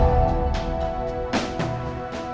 tunggu aku tinggalin